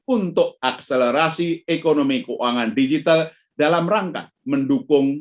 untuk akselerasi ekonomi keuangan digital dalam rangka mendukung